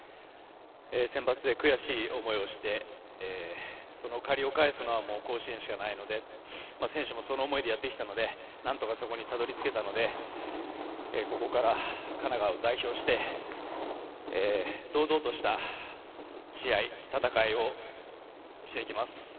センバツで悔しい思いをしてその借りを返すのは甲子園しかないので選手もその思いでやってきたのでなんとか、そこにたどりつけたのでここから、神奈川を代表して堂々とした試合戦いをしていきます。